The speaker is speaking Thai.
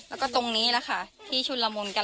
แล้วก็ตรงนี้แหละค่ะที่ชุนละมุนกัน